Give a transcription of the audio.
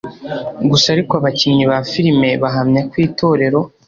gusa ariko abakinnyi ba filime bahamya ko itorero